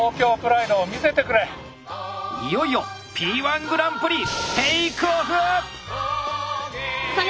いよいよ「Ｐ−１グランプリ」テイクオフ！